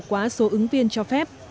quá số ứng viên cho phép